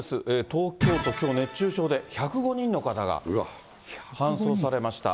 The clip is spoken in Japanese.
東京都、きょう、熱中症で１０５人の方が搬送されました。